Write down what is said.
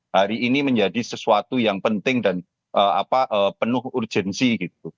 hari ini menjadi sesuatu yang penting dan penuh urgensi gitu